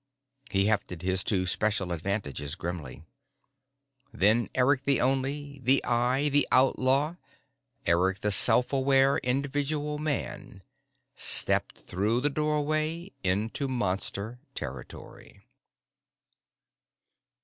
He hefted his two special advantages grimly. Then Eric the Only, the Eye, the Outlaw, Eric the Self Aware Individual Man, stepped through the doorway into Monster territory.